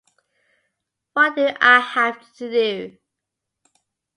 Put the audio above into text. What Do I Have to Do?